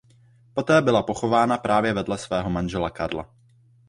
Poté byla pochována právě vedle svého manžela Karla.